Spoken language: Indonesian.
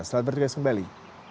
selamat berjalan kembali